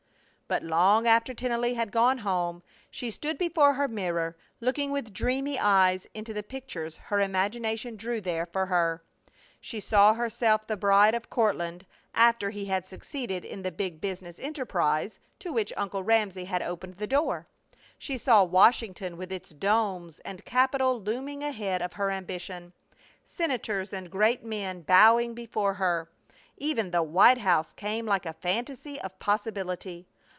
But long after Tennelly had gone home she stood before her mirror, looking with dreamy eyes into the pictures her imagination drew there for her. She saw herself the bride of Courtland after he had succeeded in the big business enterprise to which Uncle Ramsey had opened the door; she saw Washington with its domes and Capitol looming ahead of her ambition; Senators and great men bowing before her; even the White House came like a fantasy of possibility.